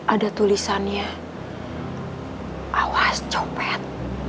ada tulisannya awas copet